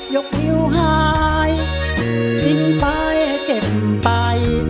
ยกนิ้วหายทิ้งไปเก็บไป